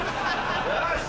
よし。